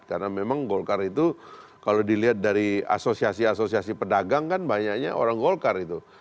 karena memang golkar itu kalau dilihat dari asosiasi asosiasi pedagang kan banyaknya orang golkar itu